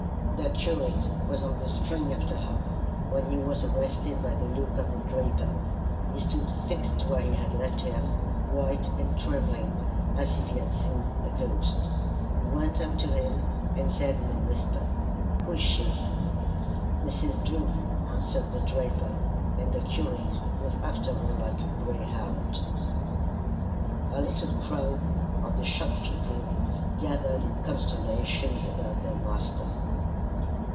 The curate was on the spring after her when he was arrested by the look of the draper: he stood fixed where she had left him, white and trembling as if he had seen a ghost. He went up to him, and said in a whisper: "Who is she?" "Mrs. Drew," answered the draper, and the curate was after her like a greyhound. A little crowd of the shop people gathered in consternation about their master.